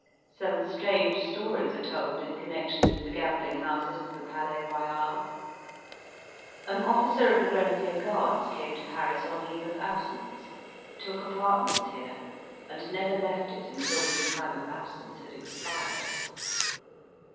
Some strange stories are told in connection with the gambling houses of the Palais Royal. An officer of the Grenadier Guards came to Paris on leave of absence, took apartments here, and never left it until his time of absence had expired.